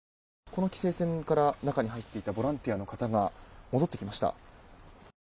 この規制線から中に入っていったボランティアの方が戻ってきました。